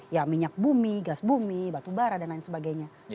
ya minyak bumi gas bumi batu bara dan lain sebagainya